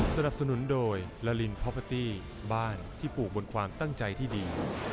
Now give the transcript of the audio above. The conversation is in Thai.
สนับสนุนโดยลาลินพอพาตี้บ้านที่ปลูกบนความตั้งใจที่ดี